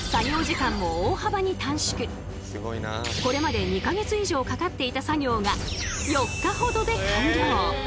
これまで２か月以上かかっていた作業が４日ほどで完了。